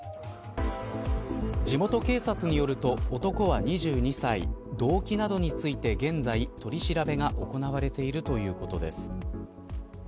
地元警察によると男は２２歳動機などについて現在取り調べが行われているということです。